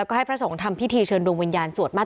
เรายังไม่เคยคุยไปถามกับเขา